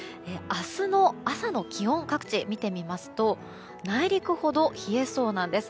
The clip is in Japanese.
明日の朝の気温を各地見てみますと内陸ほど冷えそうなんです。